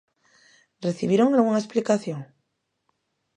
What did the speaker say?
Recibiron algunha explicación?